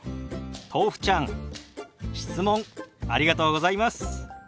とうふちゃん質問ありがとうございます。